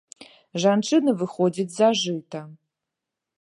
Жанчыны выходзяць за жыта.